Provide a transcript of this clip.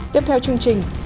tiếp theo chương trình